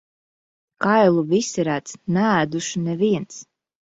Kailu visi redz, neēdušu neviens.